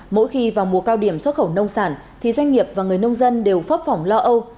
mỗi khi vào mùa cao điểm xuất khẩu nông sản thì doanh nghiệp và người nông dân đều phấp phỏng lo âu